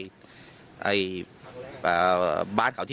ตำรวจอีกหลายคนก็หนีออกจุดเกิดเหตุทันที